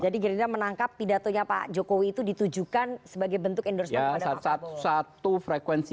jadi girindra menangkap pidatonya pak jokowi itu ditujukan sebagai bentuk endorsement kepada pak prabowo